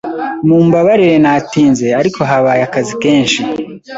Mumbabarire natinze, ariko habaye akazi kenshi.